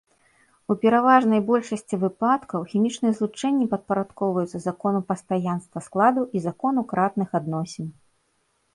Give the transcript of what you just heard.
У пераважнай большасці выпадкаў хімічныя злучэнні падпарадкоўваецца закону пастаянства складу і закону кратных адносін.